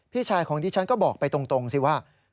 พี่ชายของดิฉันก็บอกไปตรงสิว่า